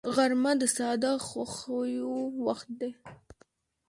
غرمه د ساده خوښیو وخت دی